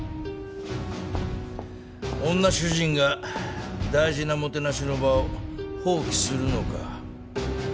女主人が大事なもてなしの場を放棄するのか？